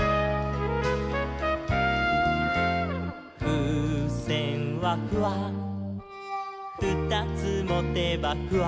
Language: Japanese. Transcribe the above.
「ふうせんはフワふたつもてばフワ」